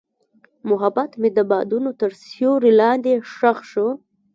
محبت مې د بادونو تر سیوري لاندې ښخ شو.